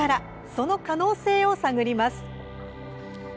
その可能性を探ります。